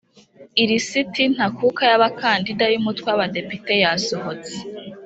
ilisiti ntakuka y’abakandida y’umutwe w’abadepite yasohotse